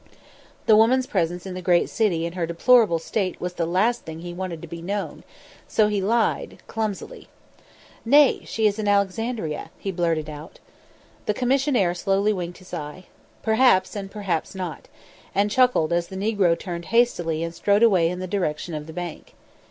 The woman's presence in the great city in her deplorable state was the last thing he wanted to be known; so he lied clumsily. "Nay; she is in Alexandria," he blurted out. The commissionaire slowly winked an eye. "Perhaps," he said; "perhaps not," and chuckled as the negro turned hastily and strode away in the direction of the bank.